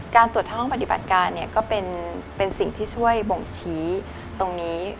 ตรวจทั้งห้องปฏิบัติการเนี่ยก็เป็นสิ่งที่ช่วยบ่งชี้ตรงนี้